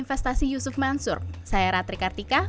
investasi yusuf mansur saya ratri kartika